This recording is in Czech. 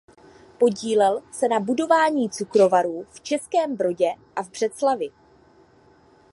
Podílel se na budování cukrovarů v Českém Brodě a v Břeclavi.